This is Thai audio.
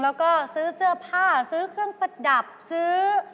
แล้วก็ซื้อเสื้อผ้าซื้อเครื่องประดับซื้อ